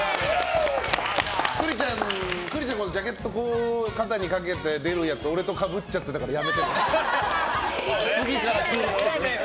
栗ちゃんもジャケット肩にかけて出るやつ、俺とかぶっちゃってたから、やめてね。